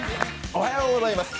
おはようございます。